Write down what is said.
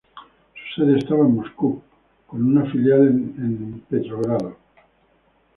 Su sede estaba en Moscú, con una filial en Leningrado.